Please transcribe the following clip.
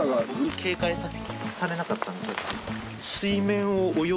警戒されなかったんでさっき。